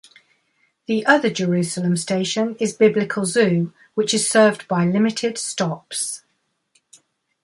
The other Jerusalem station is Biblical Zoo which is served by limited stops.